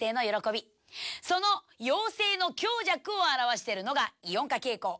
その陽性の強弱を表してるのがイオン化傾向。